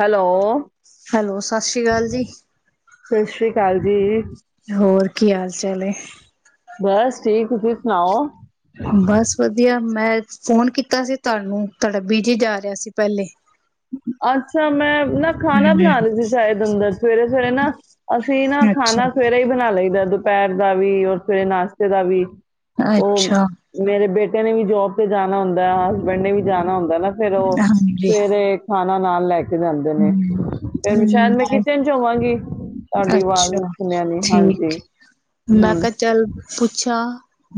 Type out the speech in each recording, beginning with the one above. Hello, hello, Sat Sri ਅਕਾਲ ਜੀ। ਸਤਿ ਸ੍ਰੀ ਅਕਾਲ ਜੀ। ਹੋਰ ਕੀ ਹਾਲ ਚਾਲ ਐ। ਬਸ ਠੀਕ ਤੁਸੀਂ ਸੁਣਾਓ। ਬਸ ਵਧੀਆ। ਮੈਂ ਫੋਨ ਕੀਤਾ ਸੀ ਤੁਹਾਨੂੰ ਤੁਹਾਡਾ ਬਿਜੀ ਜਾ ਰਿਹਾ ਸੀ ਪਹਿਲੇ। ਅੱਛਾ, ਮੈਂ ਨਾ ਖਾਣਾ ਬਣਾ ਲਈ ਹਮ ਸੀ ਸ਼ਾਇਦ ਅੰਦਰ ਸਵੇਰੇ ਸਵੇਰੇ ਨਾ ਅਸੀਂ ਨਾ ਅੱਛਾ ਖਾਣਾ ਸਵੇਰੇ ਹੀ ਬਣਾ ਲਈ ਦਾ। ਦੁਪਹਿਰ ਦਾ ਵੀ ਔਰ ਸਵੇਰੇ ਨਾਸ ਤਾ ਵੀ ਉਹ ਅੱਛਾ ਮੇਰੇ ਬੇ ਮੁੰਡੇ ਨੇ ਵੀ ਜੋਬ ਤੇ ਜਾਣਾ ਹੁੰਦਾ ਹਸਬੈਂਡ ਨੇ ਵੀ ਜਾਣਾ ਹੁੰਦਾ ਨਾ ਫਿਰ ਉਹ ਹਾਂਜੀ ਸਵੇਰੇ ਖਾਨਾ ਨਾਲ ਲੈ ਆਉਂਦੇ ਨੇ ਫਿਰ ਸ਼ਾਇਦ ਹਮ ਮੈਂ ਕਿਚਨ ਚ ਹੋਵਾਂਗੀ। ਆਵਾਜ਼ ਅੱਛਾ ਸੁਣਿਆ ਨੀ ਹਾਂਜੀ, ਠੀਕ, ਮੈਂ ਹੂੰ ਕਿਹਾ ਚੱਲ ਪੁੱਛਾਂ।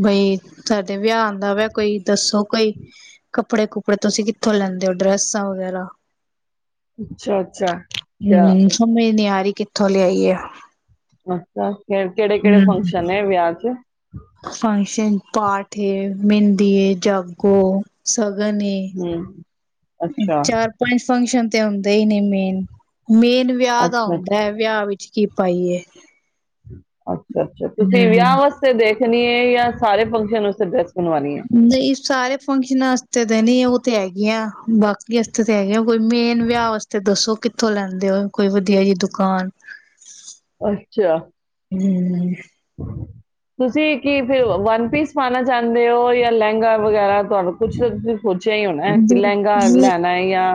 ਬਈ ਸਾਡੇ ਵਿਆਹ ਆਉਂਦਾ ਵੈ। ਕੋਈ ਦੱਸੋ ਕੋਈ ਕੱਪੜੇ ਕੁੱਪੜੇ ਤੁਸੀਂ ਕਿੱਥੋਂ ਲੈਂਦੇ ਹੋ ਡਰੈਸਾਂ ਵਗੈਰਾ? ਅੱਛਾ-ਅੱਛਾ ਤੇ ਆਹ ਹਮ ਸਮਝ ਨੀ ਆ ਰਹੀ ਕਿੱਥੋਂ ਲਿਆਈਏ? ਅੱਛਾ। ਕਿਹੜੇ ਕਿਹੜੇ ਫੰਕਸ਼ਨ ਐ ਵਿਆਹ ਚ? ਫੰਕਸ਼ਨ। ਪਾਠ ਐ, ਮਹਿੰਦੀ ਐ। ਜਾਗੋ, ਸਗਣ ਏ। ਹਮ ਅੱਛਾ ਚਾਰ ਪੰਜ ਫੰਕਸ਼ਨ [unintelligible] ਏਹੀ ਨੇ ਮੇਨ ਮੇਨ ਵਿਆਹ ਦਾ ਅੱਛਾ ਹੁੰਦਾ ਹੈ ਅੱਛਾ ਵਿਆਹ ਵਿੱਚ ਕੀ ਪਾਈਏ। ਅੱ ਅੱਛਾ ਅੱਛਾ ਤੁਸੀਂ ਵਿਆਹ ਵਾਸਤੇ ਦੇਖ [unintelligible] ਸਾਰੇ ਫੰਕਸ਼ਨ ਉਸ ਨਹੀਂ ਸਾਰੇ ਫੰਕਸ਼ਨਾਂਆਸਤੇ ਤੇ ਨੀ ਉਹ ਤੇ ਹੈਗੀਆਂ। ਬਾਕੀ ਆਸਤੇ ਤਾਂ ਹੈਗੀਆ ਕੋਈ ਮੇਨ ਵਿਆਹ ਵਾਸਤੇ ਦੱਸੋ ਕਿ ਕਿੱਥੋਂ ਲੈਂਦੇ ਹੋ ਕੋਈ ਵਧੀਆ ਜਿਹੀ ਦੁਕਾਨ। ਅੱਛਾ। ਹਮ। ਤੁਸੀਂ ਕੀ ਫਿਰ ਵਨ ਪੀਸ ਪਾਉਣਾ ਚਾਹੁੰਦੇ ਹੋ ਜਾਂ ਲਹਿੰਗਾ ਵਗੈਰਾ ਤੁਹਾਨੂੰ ਕੁਛ ਸੋਚੀਆ ਹੀ ਹੋਣਾ ਕਿ ਲਹਿੰਗਾ ਲੈਣਾ ਹੈ ਯਾ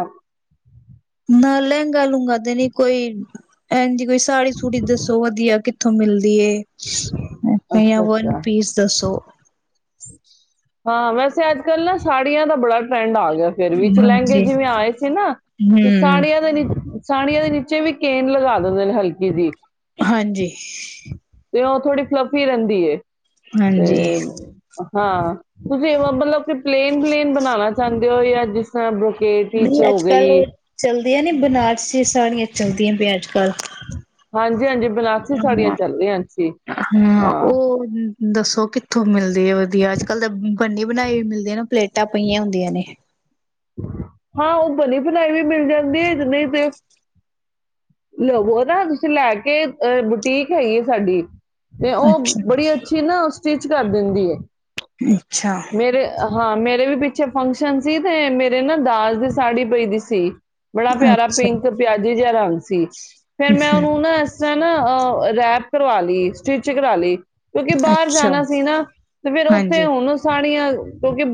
ਨਾ ਲਹਿੰਗਾ ਲੂੰਗਾ ਤੇ ਨੀ ਕੋਈ ਐਂਜ ਕੋਈ ਸਾੜੀ ਸੂੜੀ ਦੱਸੋ ਵਧੀਆ ਕਿਥ ਤੋਂ ਮਿਲ ਦੀਏ ਯਾ ਅੱਛਾ ਵਨ ਅੱਛਾ ਪੀਸ ਦੱਸੋ? ਹਾਂ ਵੈਸੇ ਅੱਜ ਕੱਲ ਨਾ ਸਾੜੀਆਂ ਦਾ ਬੜਾ ਟਰੈਂਡ ਆ ਗਿਆ। ਫੇਰ ਵੀ ਲਹਗੇ ਹਾਂਜੀ ਜਿਵੇਂ ਆਏ ਸੀ ਨਾ ਤੇ ਹੂੰ ਸਾੜੀਆਂ ਦਾ ਨੀ ਸਾਣੀਆਂ ਦੇ ਨੀਚੇ ਵੀ ਕੇਨ ਲਗਾ ਦਿੰਦੇ ਨੇ ਹਲਕੀ ਜੀ। ਹਾਂਜੀ। ਤੇ ਉਹ ਥੋੜੀ ਫਲੱਫੀ ਰਹਿੰਦੀ ਏ। ਤੇ ਹਾਂਜੀ ਹਾਂ ਤੁਸੀਂ ਇਹ ਮਤਲਬ ਕਿ ਪਲੇਨ ਪਲੇਨ ਬਣਾਉਣਾ ਚਾਹੁੰਦੇ ਹੋ ਜਾਂ ਜਿਸ ਤਰਾਂ ਨਹੀਂ ਅੱਜ ਕੱਲ ਚੱਲਦੀਆਂ ਨੀ ਬਨਾਰਸੀ ਸਾੜੀਆਂ ਚੱਲਦੀਆਂ ਪਈਆਂ ਅੱਜ ਕੱਲ। ਹਾਂਜੀ ਹਾਂਜੀ। ਬਲਾਸੀ ਸਾੜੀਆਂ ਚੱਲ ਰਹੀਆਂ ਅੱਛੀ ਹਾਂ। ਦੱਸੋ ਕਿੱ ਕਿੱਥੋਂ ਮਿਲਦੀ ਹੈ ਵਧੀਆ ਅੱਜ ਕੱਲ ਤਾਂ ਬਣੀ ਬਣਾਈ ਵੀ ਮਿਲਦੀ ਏ ਨਾ ਪਲੇ ਤਾਂ ਪਈਆਂ ਹੁੰਦੀਆਂ ਨੇ। ਹਾਂ ਉਹ ਬਲੀ ਬਣਾਈ ਵੀ ਮਿਲ ਜਾਂਦੀ ਹੈ ਜਨੀ ਤੇ ਲਵੋ ਨਾ ਤੁਸੀਂ ਲੈ ਕੇਹ ਬੁਟੀਕ ਹੈਗੀ ਹੈ ਸਾਡੀ ਤੇ ਉਹ ਅੱਛਾ ਬੜੀ ਅੱਛੀ ਨਾ ਸਟਿਚ ਕਰ ਦਿੰਦੀ ਹੈ [unintelligible] ਮੇਰੇਹ ਹਾਂ ਮੇਰੇ ਵੀ ਪਿੱਛੇ ਫੰਕਸ਼ਨ ਸੀ, ਤੇ ਮੇਰੇ ਨਾ ਦਾਜ ਦੀ ਸਾੜੀ ਪਈ ਦੀ ਸੀ। ਬੜਾ ਪਿਆਰਾ ਅੱਛਾ ਪਿੰਕ ਪਿਆਜ਼ੇ ਜਿਹਾ ਰੰਗ ਸੀ ਫਿਰ ਮੈਂ ਉਹਨੂੰ ਨਾ ਨਾ ਨਾ ਰੈਪ ਕਰਵਾ ਲਈ ਸਟਿਚ ਕਰਵਾ ਲਈ। ਕਿਉਂਕਿ ਬਾਹਰ ਅੱਛਾ ਜਾਣਾ ਸੀ ਨਾ ਤੇ ਫਿਰ ਹਾਂਜੀ ਉੱਥੇ ਹੁਣ ਸਾੜੀਆਂ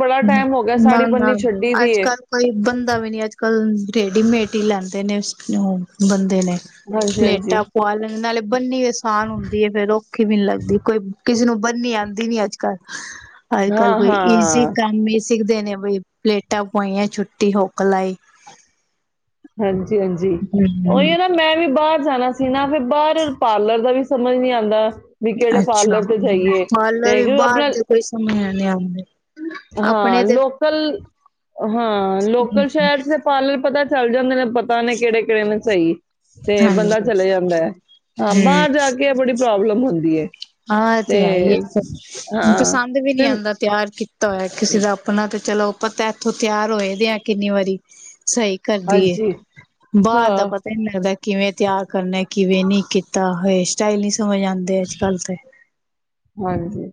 ਬੜਾ ਟਾਈਮ ਹੋ ਗਿਆ ਨਾ ਸਾੜੀ ਨਾ ਬੰਨੀ ਛੱਡੀ ਦੀ ਅੱਜ ਏ ਕੱਲ ਕੋਈ ਬੰਦਾ ਵੀ ਨੀ ਅੱਜ ਕੱਲ ਟੇਡੀ ਮੇਡੀ ਲਾ ਸੀ। ਦੇਣੇ ਉਸਨੂੰ ਨੂੰ ਬੰਦੇ ਨੇ ਹਾਂਜੀ ਹਾਂਜੀ ਲੇਟਾ ਪੁਆਲਣ ਨਾਲੇ ਬੰਨੀ ਆਸਾਨ ਹੁੰਦੀ ਹੈ, ਫੇਰ ਔਖੀ ਵੀ ਨੀ ਲੱਗਦੀ ਕੋਈ ਕਿਸੇ ਨੂੰ ਬੰਨੀ ਆਉਂਦੀ ਨੀ ਅੱਜ ਕੱਲ ਅੱਜ- ਕੱਲ੍ਹ ਹਾਂ ਕੋਈ ਈਜ਼ੀ ਹਾਂ ਮੰਮੀ ਸਿੱਖਦੇ ਨੇ ਬਈ ਪਲੇਟਾਂ ਪਵਾਈਆਂ ਛੁੱਟੀ ਹੋਕ ਲਾਈ ਹਾਂਜੀ, ਹਾਂਜੀ- ਹਾਂਜੀ, ਉਹੀ ਹਮ ਹੈ ਨਾ ਮੈਂ ਵੀ ਬਾਹਰ ਜਾਣਾ ਸੀ ਨਾ ਫਿਰ ਬਾਹਰ ਪਾਰਲਰ ਦਾ ਵੀ ਸਮਝ ਨੀ ਆਂਦਾ। ਵੀ ਕਿਹੜੇ ਅੱਛਾ, ਪਾਰਲਰ ਤੇ ਜਾਈਏ ਪਾਰਲਰ ਤੇ ਵੀ ਕਿਉਂਕਿ ਬਾਹਰ ਆਪਣਾ ਦੇ ਕੋਈ ਸਮੇਂ ਹੈ ਨ ਆਂਦੇ ਹਾਂ ਲੋਕਲ, ਹਾਂ ਲੋਕਲ ਸ਼ਹਿਰ ਚ ਪਾਰਲਰ ਪਤਾ ਚੱਲ ਜਾਂਦੇ ਨੇ ਪਤਾ ਨੇ ਕਿਹੜੇ ਕਿਹੜੇ ਨੇ ਸਹੀ। ਤੇ ਬੰਦਾ ਹਾਂਜੀ ਚਲੇ ਜਾਂਦਾ ਹੈ ਹਾਂ ਹਮ ਬਾਹਰ ਜਾ ਕੇ ਆਪੜੀ ਪ੍ਰੋਬਲਮ ਹੁੰਦੀ ਹੈ। ਹਾਂ ਤੇ ਆਹ ਈ ਹਾਂ ਪਸੰਦ ਵੀ ਨਹੀਂ ਫਿਰ ਆਂਦਾ ਤਿਆਰ ਕੀ ਤਾਂ ਕਿਸੇ ਦਾ ਆਪਣਾ ਤਾਂ ਚਲੋ ਆਪਾਂ ਤਾਂ ਇੱਥੋਂ ਤਿਆਰ ਹੋਏ ਦੇ ਆ ਕਿੰਨੀ ਵਾਰੀ ਸਹੀ ਕਰਦੀ ਏ ਹਾਂਜੀ ਬਾਹਰ ਦਾ ਹਾਂ ਪਤਾ ਨਹੀਂ ਲੱਗਦਾ ਕਿਵੇਂ ਤਿਆਰ ਕਰਨਾ ਕਿਵੇਂ ਨਹੀਂ ਕੀਤਾ ਹੇਅਰ ਸਟਾਈਲ ਨੀ ਸੀ ਉੱਥੇ ਸਮਝ ਆਂਦੇ ਆ ਅੱਜ ਕੱਲ੍ਹ ਤੇ ਹਾਂਜੀ।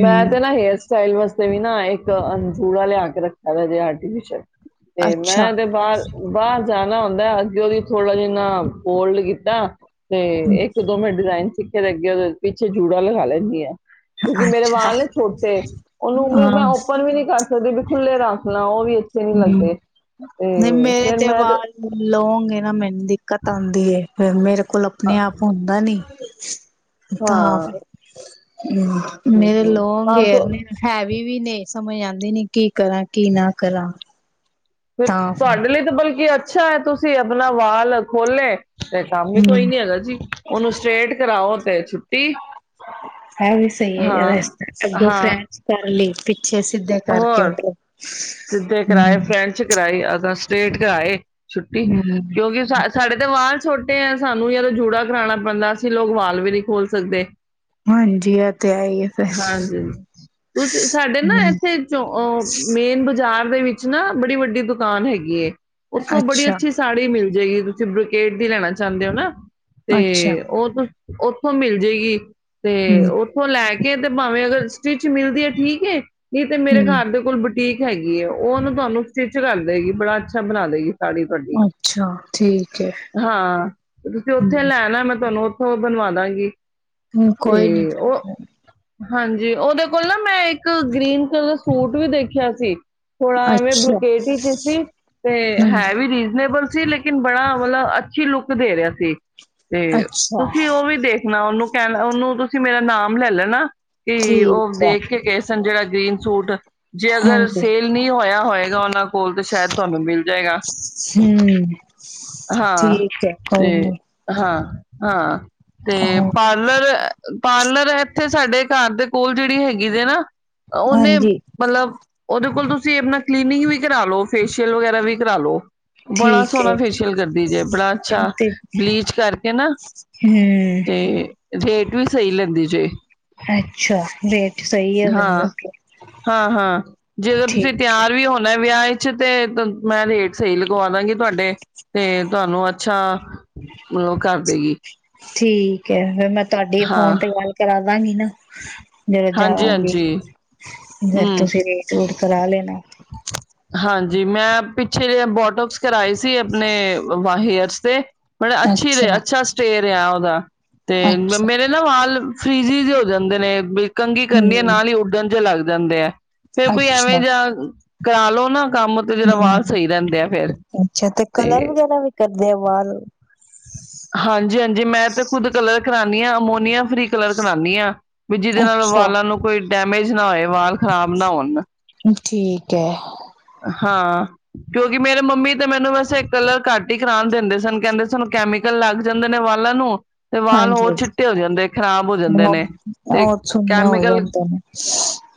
ਮੈਂ ਤੇ ਨਾ ਹੇਅਰਸ ਸਟਾਈਲ ਵਾਸਤੇ ਵੀ ਨਾ ਇੱਕ ਅਨ ਜੂੜਾ ਲਿਆ ਕੇ ਰੱਖਿਆ ਜੇ ਆਰਟੀਫੀਸ਼ਲ। ਤੇ ਅੱਛਾ ਮੈਂ ਤੇ ਬਾਹਰ, ਬਾਹਰ ਸਿਆਣਾ ਹੁੰਦਾ ਅੱਗੇ ਉਹਦੀ ਥੋੜ੍ਹਾ ਜਿੰਨਾਂ ਫੋਲਡ ਕੀਤਾ। ਤੇ ਇੱਕ ਦੋਵੇਂ ਡਿਜ਼ਾਇਨ ਸਿੱਖ ਫੇਰ ਅੱਗੇ ਉਹਦੇ ਪਿੱਛੇ ਜੂੜਾ ਲਗਾ ਲੈ। ਗਿਆ। ਕਿਉਂਕਿ ਮੇਰੇ ਅੱਛਾ ਵਾਲ ਨੇ ਛੋਟੇ ਉਹਨੂੰ ਹਾਂ ਮੈਂ [unintelligible] ਹਮ ਓਪਨ ਵੀ ਨੀ ਕਰ ਉਹਦੇ ਵੀ ਖੁੱਲੇ ਰੱਖ ਲਾਂ ਉਹ ਵੀ ਅ ਹਮ, ਨਹੀਂ ਮੇਰੇ ਫਿਰ ਤੇ ਮੈਂ ਵਾਲ ਲੋਂਂਗ ਐ ਨਾ ਮੈਨੂੰ ਦਿੱਕਤ ਆਉਂਦੀ ਹੈ ਫੇਰ ਮੇਰੇ ਕੋਲ ਅ ਆਪਣੇ ਆਪ ਹੁੰਦਾ ਨੀ। ਸ਼ ਤਾਂ ਹਾਂ ਫਿਰ ਹਮ, ਹੂੰ, ਮੇਰੇ ਹੂੰ, ਲੋਂਗ ਹਾਂ ਹੇਅਰ ਤੋ ਨੇ ਹੈਵੀ ਵੀ ਨੇ। ਸਮਝ ਆਉਂਦੀ ਨੀ ਕੀ ਕਰਾਂ ਕੀ ਨਾ ਕਰਾਂ। ਫਿਰ ਤੁਹਾਡੇ ਲਈ ਤਾਂ ਬਲਕਿ ਅ ਅੱਛਾ ਹੈ ਤੁਸੀਂ ਆਪਣਾ ਵਾਲ ਖੋਲੇ। ਤੇ ਕੰਮ ਵੀ ਹੂੰ ਕੋਈ ਨੀ ਹੈਗਾ ਜੀ ਉਹਨੂੰ ਸਟੇ੍ਟ ਕਰਾਓ ਤੇ ਛੁੱਟੀ, ਇਹ ਵੀ ਸਹੀ ਹੈ ਜਰਾ ਹਾਂ ਇਸ ਤਰ੍ਹਾਂ ਅੱਗੋਂ ਹਾਂ। ਫਰੈਂਚ ਕਰ ਲਈ ਪਿੱਛੇ ਸਿੱਧੇ ਕਰਕੇ ਹੋਰ ਮਤਲਬ ਸਿੱਧੇ ਹੂੰ ਕਰਾਏ ਫਰੈਂਚ ਕਰਾਈ ਤਾਂ ਸਟੇ੍ਟ ਕਰਾਏ। ਛੁੱਟੀ ਹੂੰ ਕਿਉਂਕਿ ਸਾ ਸਾਡੇ ਤੇ ਵਾਲ ਛੋਟੇ ਹੈ ਸਾਨੂੰ ਯਾਰ ਜੂੜਾ ਕਰਾਉਣਾ ਪੈਂਦਾ ਅਸੀਂ ਲੋਕ ਵਾਲ ਵੀ ਨਹੀਂ ਖੋਲ ਸਕਦੇ। ਹਾਂਜੀ ਐ ਤੇ ਐਈ ਫਿਰ, ਹਾਂਜੀ ਹਮ। ਓ ਮੇਨ ਬਜਾਰ ਬਾਜ਼ਾਰ ਦੇ ਵਿੱਚ ਨਾ ਬੜੀ ਵੱਡੀ ਦੁਕਾਨ ਹੈਗੀ ਏ। ਓਥੋਂ ਬੜੀ ਅੱਛਾ ਅੱਛੀ ਸਾੜੀ ਮਿਲ ਜੇ ਇਹੀ ਤੁਸੀਂ ਬਰੋਕੇਡ ਦੀ ਲੈਣਾ ਚਾਹੁੰਦੇ ਹੋ ਨਾ ਤੇ ਅੱਛਾ ਉਹ ਤੁਸ ਉੱਥੋਂ ਮਿਲਜੇਗੀ। ਤੇ ਹੂੰ ਉੱਥੋਂ ਲੈ ਕੇ ਕੇ ਤੇ ਭਾਵੇਂ ਅਗਰ ਸਟਿਚ ਮਿਲਦੀ ਹੈ, ਠੀਕ ਏ। ਨਹੀਂ ਤੇ ਮੇਰੇ ਹੂੰ ਘਰ ਦੇ ਕੋਲ ਬੁਟੀਕ ਹੈਗੀ ਉਹਨੂੰ ਤੁਹਾਨੂੰ ਸਟਿਚ ਕਰ ਦੇਗੀ ਬੜਾ ਅੱਛਾ ਬਣਾ ਦੇਗੀ। ਸਾ ਤੁਹਾਡੀ। ਅੱਛਾ ਠੀਕ ਹੈ ਹਾਂ, ਤੇ ਤੁਸੀਂ ਹੂੰ ਉੱਥੇ ਲੈਣਾ ਮੈਂ ਤੁਹਾਨੂੰ ਹੋਰ ਬਣਵਾ ਦਾਂਗੀ। ਹਮ, ਕੋਈ ਨੀ ਤੇ ਫੇਰ ਉਹ ਹਾਂਜੀ, ਉਹਦੇ ਕੋਲ ਨਾ ਮੈਂ ਇੱਕ ਗ੍ਰੀਨ ਕਲਰ ਦਾ ਸੂਟ ਵੀ ਦੇਖਿਆ ਸੀ। ਥੋੜਾ ਐਵੇਂ ਅੱਛਾ ਬਰੁਕੇਟ ਹੀ ਚ ਸੀ ਤੇ ਹਾਂਜੀ ਹੈ ਵੀ ਰੀਜਨੇਬਲ ਸੀ ਲੇਕਿਨ ਬੜਾ ਮਤਲਬ ਅੱਛੀ ਲੁੱਕ ਦੇ ਰਿਹਾ ਸੀ ਤੇ ਅੱਛਾ ਤੁਸੀਂ ਉਹ ਵੀ ਦੇਖਣਾ ਉਹਨੂੰ ਕਹਿਣ ਉਹਨੂੰ ਤੁਸੀਂ ਮੇਰਾ ਨਾਮ ਲੈ ਲੈਣਾ ਕੀ ਉਹ ਠੀਕ ਹੈ ਦੇਖ ਕੇ ਗਏ ਸੀ ਤੇ ਗ੍ਰੀਨ ਸੂਟ ਜੇ ਅਗਰ ਹਾਂਜੀ ਸੇਲ ਨ ਹੋਇਆ ਹੋਏਗਾ ਉਹਨਾਂ ਕੋਲ ਤੇ ਸ਼ਾਇਦ ਤੁਹਾਨੂੰ ਮਿਲ ਜਾਏਗਾ। ਹੂੰ ਹਾਂ ਠੀਕ ਹੈ ਕੋਈ ਤੇ ਨੀ ਹਾਂ, ਹਾਂ ਤੇ ਉਹ ਪਾਰਲਰ-ਪਾਰਲਰ ਇੱਥੇ ਸਾਡੇ ਘਰ ਦੇ ਕੋਲ ਜਿਹੜੀ ਹੈਗੀ ਹੈ ਨਾ ਉਹਓਹਨੇ ਹਾਂਜੀ ਮਤਲਬ ਓਦੇ ਕੋਲ ਤੁਸੀਂ ਆਪਣਾ ਕਲੀਨਿੰਗ ਵੀ ਕਰਾਾਲੋ ਫੇਸ਼ੀਅਲ ਵਗੈਰਾ ਵੀ ਕਰਾਾਲੋ, ਬੜਾ ਠੀਕ ਸੋਹਣਾ ਹੈ ਫੇਸ਼ੀਅਲ ਕਰਦੀ ਜੇ ਬੜਾ ਅੱਛਾ ਤੇ ਬਲੀਚ ਕਰਕੇ ਨਾ ਹਮ ਤੇ ਤੇ ਵੀ ਸਹੀ ਲਗਦੀ ਜੇ। ਅੱਛਾ, ਰੇਟ ਸਹੀ ਹ ਹਾਂ, ਹਾਂ-ਹਾਂ, ਜੇਦੋਂ ਤੁਸੀਂ ਠੀਕ ਹੈ ਤਿਆਰ ਵੀ ਹੋਣਾ ਵਿਆਹ ਵਿੱਚ ਅੱਛਾ ਤੇ, ਤਨ ਮੈਂ ਰੇਟ ਸਹੀ ਲਗਵਾਦਾਂਗੀ ਤੁਹਾਡੇ ਤੇ ਤੁਹਾਨੂੰ ਅੱਛਾ ਮਤਬਲ ਓ ਕਰ ਦੇਗੀ। ਠੀਕ ਹੈ, ਫੇਰ ਮੈਂ ਤੁਹਾਡੇ ਹਾਂ ਫੋਨ ਤੇ ਗੱਲ ਕਰਾ ਦਾਂਗੀ ਨਾ ਜਦੋਂ ਹਾਂਜੀ ਜਾਵਾਂਗੇ। ਹਾਂਜੀ ਫੇਰ ਹੂੰ, ਤੁਸੀਂ ਰੇਟ ਰੂਟ ਕਰਾ ਲੈਣਾ। ਹਾਂਜੀ, ਮੈਂ ਪਿੱਛੇ ਜਿਹਾ ਬੋਟਮਸ ਕਰਵਾਏ ਸੀ ਆਪਣੇ ਵਾਲ ਹੈਰਸ ਤੇ ਮਤਲਬ ਅੱਛੀ ਰ ਅੱਛਾ ਸਟੇਅ ਰਿਹਾ ਓ ਦਾ? ਤੇ ਅੱਛਾ ਮੇਰੇ ਨਾ ਵਾਲ ਫ੍ਰਿ ਵਿਚ ਵੀ ਹੋ ਜਾਂਦੇ ਨੇ ਕੰੰਘੀ ਕਰਨੀ ਹੈ ਹਮ ਨਾਲ ਹੀ ਉਧਨ ਜਾਹੇ ਲੱਗ ਜਾਂਦੇ ਆ ਫੇਰ ਕੋਈ ਐਵੇਂ ਅੱਛਾ ਜਾ ਕਰਾਲੋ ਨਾ ਕੰਮ ਤੇ ਜਰਾ ਹਮ ਵਾਲ ਸਹੀ ਰਹਿੰਦੇ ਆ ਫੇਰ ਤੇ ਦੇ ਵਾਲ ਹਾਂਜੀ ਹਾਂਜੀ ਮੈਂ ਤੇ ਖੁਦ ਕਲਰ ਕਰਾ ਨੀ ਅਮੋਨੀਆ ਫਰੀ ਕਲਰ ਕਣਾਉਂਦੀ ਹਾਂ ਵੀ ਜਿਹਦੇ ਨਾਲ ਅੱਛਾ ਵਾਲਾਂ ਨੂੰ ਕੋਈ ਡੈਮੇਜ ਨਾ ਹੋਏ ਵਾਲ ਖ਼ਰਾਬ ਨਾ ਹੋਣ ਠੀਕ ਹੈ ਹਾਂ ਕਿਉਂਕਿ ਮੇਰੇ ਮੰਮੀ ਤੇ ਮੈਨੂੰ ਵੈਸੇ ਕਲਰ ਘੱਟ ਹੀ ਕਰਾਉਣ ਦਿੰਦੇ ਸਨ ਕਹਿੰਦੇ ਸਨ ਕੈ ਮ ਕਲ ਲੱਗ ਜਾਂਦੇ ਨੇ ਵਾਲਾਂ ਨੂੰ ਤੇ ਵਾਲ ਹਾਂਜੀ ਹੋਰ ਹਾਂਜੀ। ਛਿੱਟੇ ਹੋ ਜਾਂਦੇ ਖ਼ਰਾਬ ਹੋ ਜਾਂਦੇ ਨੇ ਤੇ ਉਹ ਸੁਣਨੇ ਹੋ ਕੈਮੀਕਲ ਜਾਂਦੇ ਨੇ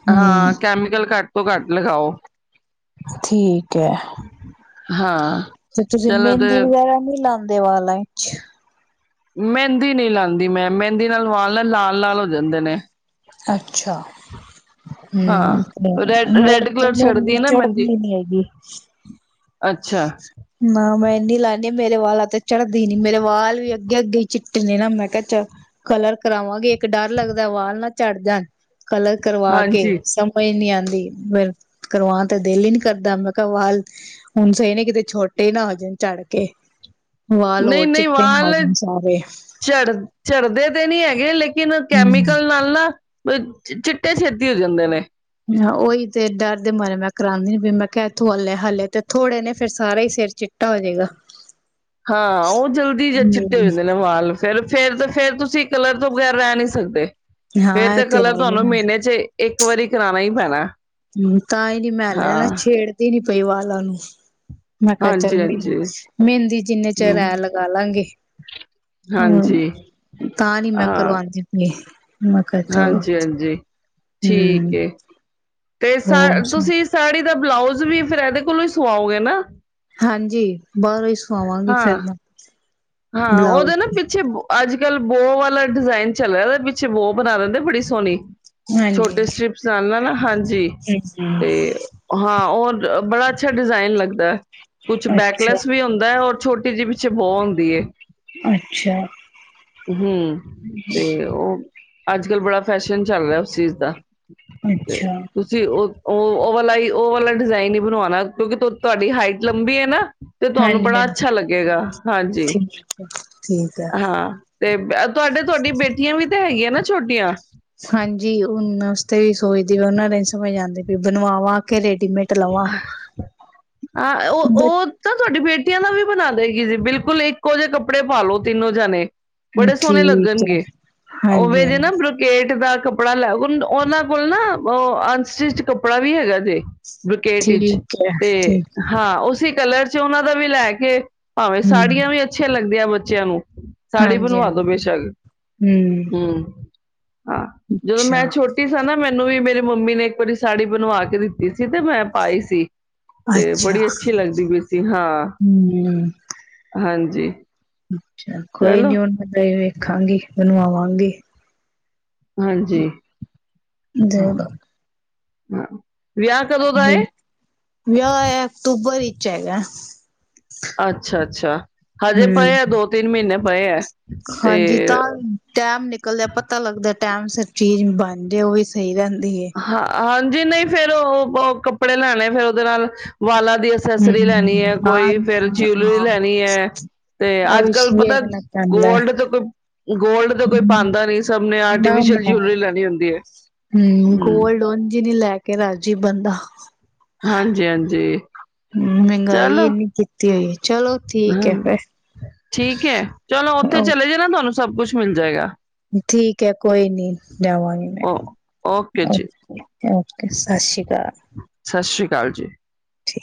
ਹਮ ਹਾਂ ਕੈਮੀਕਲ ਘੱਟ ਤੋਂ ਘੱਟ ਲਗਾਓ ਠੀਕ ਹੈ ਹਾਂ ਚਲੋ ਤੇ ਦੇ ਵਾਲਾਂ ਵਿੱਚ ਮਹਿੰਦੀ ਨਹੀਂ ਲਾਉਂਦੀ ਮੈਂ ਮਹਿੰਦੀ ਨਾਲ ਵਾਲ ਨਾ ਲਾਲ ਲਾਲ ਹੋ ਜਾਂਦੇ ਨੇ ਅੱਛ ਅੱਛਾ ਹਾਂ ਹਮ ਤੇ ਰੈਡ ਰੈਡ ਮੇਰੇ ਤੇ ਕਲਰ ਛੱਡਦੀ ਮਹਿੰਦੀ ਹੈ ਨਾ ਮਹਿੰਦੀ ਚੜਦੀ ਨਹੀਂ ਹੈਗੀ ਅੱਛਾ ਨਾ ਮੈਂ ਇਨੀ ਲਾਨੀ ਆ ਮੇਰੇ ਵਾਲਾਂ ਤੇ ਚੜਦੀ ਨੀ ਮੇਰੇ ਵਾਲ ਵੀ ਅੱਗੇ ਅੱਗੇ ਚਿੱਟੇ ਨੇ ਨਾ ਮੈਂ ਕਿਹਾਚਲ ਚ ਕਲਰ ਕਰਾਵਾਂਗੀ ਇੱਕ ਡਰ ਲੱਗਦਾ ਵਾਲ ਨਾ ਝੜ੍ਹ ਜਾਣ ਕਲਰ ਕਰਵਾ ਕੇ ਹਾਂਜੀ ਸਮਝ ਨਹੀ ਆਉਂਦੀ ਕਰਵਾਉਣ ਤੇ ਦਿਲ ਹੀ ਨੀ ਕਰਦਾ ਮੈਂ ਕਿਹਾ ਵਾਲ ਹੁਣ ਸਹੀ ਨੇ ਕਿਤੇ ਛੋਟੇ ਨਾ ਹੋ ਜਾਣ ਝੜ੍ਹ ਕੇ ਵਾਲ ਨਹੀਂ ਹੋਰ ਨਹੀਂ ਚਿੱਟੇ ਨਾ ਹੋ ਵਾਲ ਜਾਣ ਸਾਰੇ ਝੜ ਝੜ੍ਹਦੇ ਤੇ ਨਹੀਂ ਹੈਗੇ ਲੇਕਿਨ ਹਮ ਕੈਮੀਕਲ ਨਾਲ ਨਾ ਚਿੱਟੇ ਛੇਤੀ ਹੋ ਜਾਂਦੇ ਨੇ ਹ ਉਹੀ ਤੇ ਡਰ ਦੇ ਮਾਰੇ ਮੈਂ ਕਰਾਉਂਦੀ ਨਹੀਂ ਪਈ ਮੈਂ ਕਿਹਾ ਇਥੋਂ ਹਾਲੇ ਹਾਲੇ ਤੇ ਥੋੜੇ ਨੇ ਫੇਰ ਸਾਰਾ ਹੀ ਸਿਰ ਚਿੱਟਾ ਹੋ ਜਾਏਗਾ ਹਾਂ ਉਹ ਜਲਦੀ ਜ ਚਿੱਟੇ ਹੋ ਹੂੰ। ਜਾਂਦੇ ਨੇ ਵਾਲ ਫੇਰ ਫੇਰ ਫੇਰ ਤੁਸੀਂ ਕਲਰ ਤੋਂ ਬਗ਼ੈਰ ਰਹਿ ਨਹੀਂ ਸਕਦੇ ਫੇਰ ਹਾਂ ਇਹ ਤੇ ਕਲਰ ਹੈ ਤੁਹਾਨੂੰ ਹੀ ਮਹੀਨੇ ਚ ਇੱਕ ਵਾਰੀ ਕਰਾਉਣਾ ਹੀ ਪੈਣਾ ਹਮ ਤਾਂ ਹੀ ਨੀ ਮੈਂ ਹਲੇ ਨਾ ਹਾਂ ਛੇੜਦੀ ਨੀ ਪ ਪਈ ਵਾਲਾਂ ਨੂੰ ਮੈਂ ਕਿਹਾ ਚੱਲ ਹਾਂਜੀ ਮ ਹਾਂਜੀ ਮਹਿੰਦੀ ਜਿੰਨੇ ਚਿਰ ਹਮ ਐ ਲਗਾ ਲਾਂਗੀ ਹਮ ਹਾਂਜੀ ਤਾਂ ਨੀ ਮੈਂ ਹਾਂ ਕਰਵਾਉਂਦੀ ਪਈ ਮੈਂ ਕਿਹਾ ਚਲੋ,,, ਹਾਂਜੀ ਹਾਂਜੀ ਠੀਕ ਏ ਤੇ ਸਾ ਹੋਰ ਸੁਣਾ ਤੁਸੀਂ ਸਾੜੀ ਦਾ ਬਲਾਊਜ ਤੁਸੀਂ ਵੀ ਫਿਰ ਇਹਦੇ ਕੋਲੋਂ ਹੀ ਸੁਵਾਓਗੇ ਨਾ ਹਾਂਜੀ ਬਾਹਰੋਂ ਹੀ ਸੁਣਾਵਾਂਗੀ ਫਿਰ ਹਾਂ ਮੈਂ। ਹਾਂ ਉਹਦੇ ਨਾ ਬਲਾਊਜ ਪਿੱਛੇ ਬੋ। ਅੱਜ ਕੱਲ ਬੋਹ ਵਾਲਾ ਡਿਜਾਇਨ ਚੱਲ ਰਿਹਾ ਪਿੱਛੇ ਬੋਹ ਬਣਾ ਲਿੰਦੇ ਬੜੀ ਸੋਹਣੀ। ਹਾਂਜੀ। ਛੋਟੇ ਸਟ੍ਰਿਪਸ ਨਾਲ ਨਾ ਹਾਂਜੀ ਹੂੰ ਤੇ ਹਾਂ ਹੋਰ ਬੜਾ। ਅੱਛਾ ਡਿਜਾਇਨ ਲਗਦਾ ਕੁਝ ਅੱਛਾ, ਬੈਕਲੈਸ ਵੀ ਹੁੰਦਾ ਹੋਰ ਛੋਟੀ ਛੋਟੀ ਜੀ ਪਿੱਛੇ ਬੌਂਗ ਦੀਏ ਅੱਛਾ, ਹੂੰ ਤੇ ਉਹ। ਅੱਜ ਕੱਲ ਬੜਾ ਫੈਸ਼ਨ ਚੱਲ ਰਿਹਾ ਉਸ ਚੀਜ਼ ਦਾ। ਤੇ ਅੱਛਾ। ਤੁਸੀਂ ਉਹ ਉਹ ਵਾਲਾ ਹੀ ਉਹ ਵਾਲਾ ਡਿਜ਼ਾਇਨ ਹੀ ਬਣਵਾਉਣਾ। ਕਿਉਂਕਿ ਤੁਹਾਡੀ ਹਾਈਟ ਲੰਬੀ ਹੈ ਨਾ। ਤੇ ਤੁਹਾਨੂੰ ਬੜਾ ਹਾਂਜੀ-ਹਾਂਜੀ। ਅੱਛਾ ਲੱਗੇਗਾ ਹਾਂਜੀ। [unintelligible] ਠੀਕ ਹੈ। ਹਾਂ ਤੇ [unintelligible] ਤੁਹਾਡੇ ਤੁਹਾਡੀ ਬੇਟੀਆਂ ਵੀ ਤਾਂ ਹੈਗੀਆਂ ਨਾ ਛੋਟੀਆਂ। ਇਹ ਈ ਸੋਚਦੀ ਵੀ ਉਹਨਾਂ ਦੇ ਨੀ ਸਮਝ ਆਂਦੀ ਪਈ ਬਣਵਾਵਾ ਕੇ ਰੇ ਹਾਂ ਉਹ ਉਹ ਤਾਂ ਤੁਹਾਡੇ ਬੇ ਟੀਆ ਦਾ ਵੀ ਬਣਾ ਦੇਗੀ ਜੀ ਬਿਲਕੁਲ ਇੱਕੋ ਜਿਹੇ ਕੱਪੜੇ ਪਾਲ ਲੋ ਤਿੰਨੋ ਜਾਣੇ। ਬੜੇ ਸੋਹਣੇ ਠੀਕ ਹੈ ਲੱਗਣਗੇ, ਹਾਂਜੀ ਓਵੇਂ ਜੇ ਹਾਂਜੀ ਨਾ ਬਰੁਕੇਟ ਦਾ ਕਪੜਾ ਲੇ ਆਓ ਉਹਨਾਂ ਕੋਲ ਨਾ ਉਹ ਅਨਸਟਿਚ ਕੱਪੜਾ ਵੀ ਹੈਗਾ ਜੇ। ਬੁਰੇਕੇਟ ਵਿੱਚ, ਠੀਕ ਹੈ ਤੇ ਠੀਕ ਹਾਂ ਉਸੇ ਕਲਰ 'ਚ ਉਹਨਾਂ ਦਾ ਵੀ ਲੈ ਕੇ ਭਾਵੇਂ ਹੂੰ ਸਾੜੀਆਂ ਵੀ ਅੱਛੀਆਂ ਲੱਗ ਦੀਆਂ ਬੱਚਿਆਂ ਨੂੰ। ਸਾੜੀ ਹਾਂਜੀ ਬਣਵਾ ਦੋ ਹਾਂਜੀ ਬੇਸ਼ੱਕ। ਹੂੰ ਹਾਂ ਜਦੋਂ ਮੈਂ ਅੱਛਾ ਛੋਟੀ ਸਾਂ ਨਾ। ਮੈਨੂੰ ਵੀ ਮੇਰੀ ਮੰਮੀ ਨੇ ਇੱਕ ਵਾਰੀ ਸਾੜੀ ਬਣਵਾ ਕੇ ਦਿੱਤੀ ਸੀ। ਤੇ ਮੈਂ ਪਾਈ ਸੀ। ਤੇ ਅੱਛਾ ਬੜੀ ਅੱਛੀ ਲੱਗਦੀ ਪਈ ਸੀ ਹਾਂ, ਹੂੰ ਹਾਂਜੀ। ਜੀ। ਅੱਛਾ ਕੋਈ ਨੀ ਹੁਣ ਮੈਂ ਵੇਖਾਂਗੀ। ਬਣਵਾਵਾਂਗ਼ੀ। ਹਾਂਜੀ। ਹਾਂ ਦਿਉਗਾ ਹਾਂ ਵਿਆਹ ਕਦੋਂ ਦਾ ਏ ਵਿਆਹ ਐ ਅਕਤੂਬਰ ਵਿੱਚ ਹੈਗਾ। ਅੱਛਾ-ਅੱਛਾ ਹਜੇ ਪਏ ਹੂੰ ਆ ਦੋ ਤਿੰਨ ਮਹੀਨੇ ਪਏ ਐ। ਹਾਂਜੀ ਤਾਂ ਟੈਮ ਨਿਕਲਦਾ ਪਤਾ ਲੱਗਦਾ ਟਾਈਮ ਸਿਰ ਚੀਜ਼ ਬਣ ਜੇ ਉਹ ਵੀ ਸਹੀ ਰਹਿੰਦੀ ਹੈ। ਹਾਂ ਹਾਂਜੀ ਨਹੀਂ ਫੇਰ ਉਹ ਕੱਪੜੇ ਲੈਣੇ ਫੇਰ ਉਹਦੇ ਨਾਲ ਵਾਲਾ ਦੀ ਹੂੰ ਅਸੈਸਰੀ ਲੈਣੀ ਹੈ ਕੋਈ ਫੇਿਰ ਜਊਲਰੀ ਲੈਣੀ ਹੈ ਤੇ ਅੱਜ ਕੱਲ ਪਤਾ ਵੇਖਣਾ ਪੈਂਦਾ। ਗੋਲਡ ਤੋਂ ਕੋਈ ਗੋਲਡ ਤਾਂ ਕੋਈ ਪਾਉਂਦਾ ਨੀ ਸਭ ਨੇ ਨਾ ਆਰਟੀਫਿਸ਼ਅਲ ਜੂਲਰੀ ਲੈਣੀ ਹੁੰਦੀ ਹੈ। ਹਮ ਕੋਲਡ ਉਂਜ ਹੀ ਲੈ ਕੇ ਰਾਜੀ ਬੰਦਾ। ਹ ਹਾਂਜੀ ਹਾਂਜੀ ਮਹਿੰਗਾਈ ਚਲੋ ਇੰਨੀ ਕੀਤੀ ਹੋਈ ਏ। ਹਮ ਠੀਕ ਹੈ ਚਲੋ ਉੱਥੇ ਓ ਚਲੇ ਜੇ ਨਾ ਤੁਹਾਨੂੰ ਸਭ ਕੁਛ ਮਿਲ ਜਾਏਗਾ। ਠੀਕ ਹੈ ਕੋਈ ਨੀ ਲੇਵਾਗੀ ਮੈਂ ਓ ਓਕੇ ਜੀ ਓਕੇ ਸਤਿ ਸ਼੍ਰੀ ਅਕਾਲ। ਸਤਿ ਸ਼੍ਰੀ ਅਕਾਲ ਜੀ। ਠੀਕ।